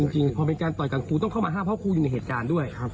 จริงพอเป็นการต่อยกันครูต้องเข้ามาห้ามเพราะครูอยู่ในเหตุการณ์ด้วย